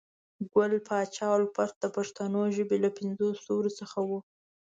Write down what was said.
ګل پاچا الفت د پښنو ژبې له پنځو ستورو څخه وو